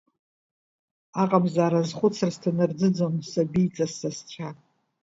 Аҟамзаара азхәыцра сҭанарӡыӡон сабиҵас са сцәа…